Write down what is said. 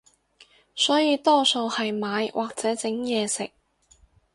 所以多數係買或者整嘢食